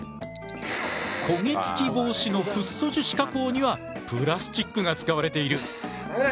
焦げつき防止のフッ素樹脂加工にはプラスチックが使われている。